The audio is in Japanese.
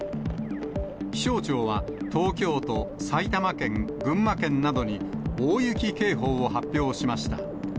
気象庁は、東京都、埼玉県、群馬県などに、大雪警報を発表しました。